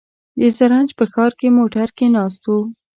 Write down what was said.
د زرنج په ښار کې موټر کې ناست و.